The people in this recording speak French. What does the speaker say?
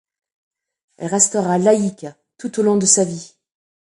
Elle restera laïque tout au long de sa vie.